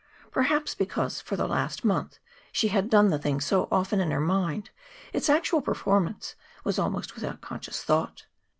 Perhaps because for the last month she had done the thing so often in her mind, its actual performance was almost without conscious thought.